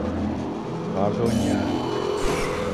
Pardon ya.